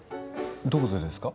どこでですか？